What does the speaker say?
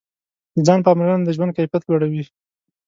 د ځان پاملرنه د ژوند کیفیت لوړوي.